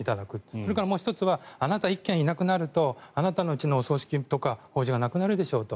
それからもう１つはあなた１軒いなくなるとあなたのうちのお葬式とか法事がなくなるでしょうと。